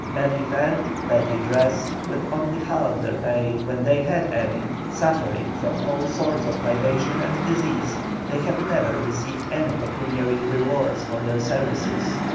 Badly fed, badly dressed, with only half their pay when they had any, suffering from all sorts of privation and disease, they had never received any pecuniary reward for their services.